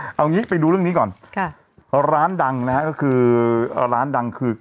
เอางี้ไปดูเรื่องนี้ก่อนค่ะร้านดังนะฮะก็คือร้านดังคือ